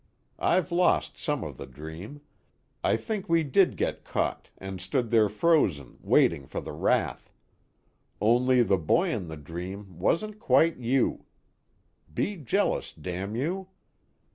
I've lost some of the dream I think we did get caught and stood there frozen waiting for the wrath. Only the boy in the dream wasn't quite you. Be jealous, damn you.